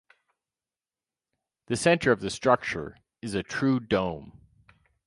The center of the structure is a true dome.